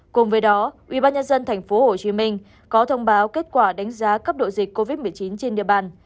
cùng với đó ubnd tp hcm có thông báo kết quả đánh giá cấp độ dịch covid một mươi chín trên địa bàn